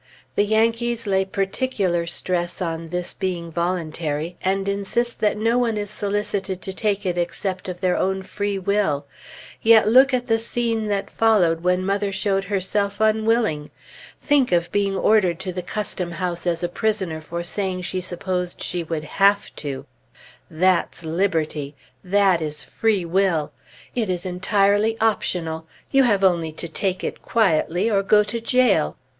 The Yankees lay particular stress on this being voluntary, and insist that no one is solicited to take it except of their own free will. Yet look at the scene that followed, when mother showed herself unwilling! Think of being ordered to the Custom House as a prisoner for saying she supposed she would have to! That's liberty! that is free will! It is entirely optional; you have only to take it quietly or go to jail.